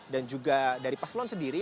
dan juga dari paslon sendiri